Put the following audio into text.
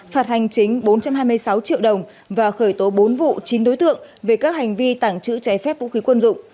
phạt hành chính bốn trăm hai mươi sáu triệu đồng và khởi tố bốn vụ chín đối tượng về các hành vi tàng trữ trái phép vũ khí quân dụng